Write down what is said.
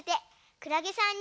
くらげさんに。